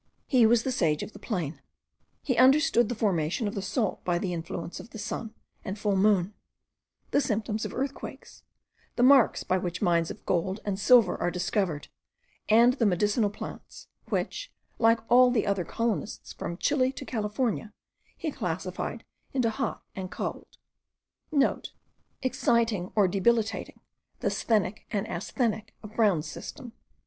He was the sage of the plain; he understood the formation of the salt by the influence of the sun and full moon, the symptoms of earthquakes, the marks by which mines of gold and silver are discovered, and the medicinal plants, which, like all the other colonists from Chile to California, he classified into hot and cold.* (* Exciting or debilitating, the sthenic and asthenic, of Brown's system.)